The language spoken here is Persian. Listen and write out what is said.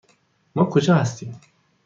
ما کجا هستیم؟